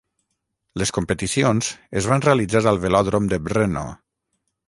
Les competicions es van realitzar al Velòdrom de Brno.